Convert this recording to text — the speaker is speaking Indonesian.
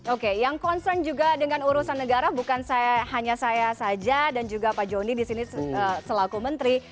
oke yang concern juga dengan urusan negara bukan hanya saya saja dan juga pak joni disini selaku menteri